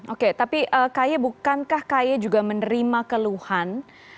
oke tapi kaye bukankah kaye juga menerima keluhan